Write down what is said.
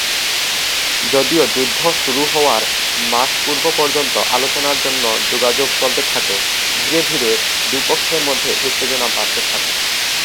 যদিও যুদ্ধ শুরু হওয়ার মাস পূর্ব পর্যন্ত আলোচনার জন্য যোগাযোগ চলতে থাকে, ধীরে ধীরে দু পক্ষের মধ্যে উত্তেজনা বাড়তে থাকে।